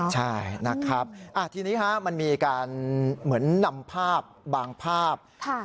ใช่นะครับทีนี้มันมีการเหมือนนำภาพบางภาพ